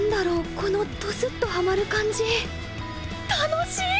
このトスッとハマる感じ楽しい！